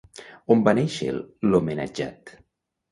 A on va néixer l'homenatjat?